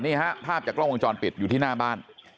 ภาพจากกล้องวงจรปิดอยู่ที่หน้าบ้าน